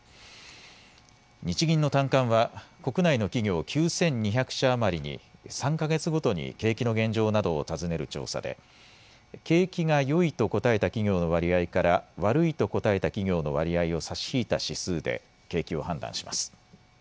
日銀の短観は国内の企業９２００社余りに３か月ごとに景気の現状などを尋ねる調査で景気がよいと答えた企業の割合から悪いと答えた企業の割合を差し引いた指数で景気を判断します。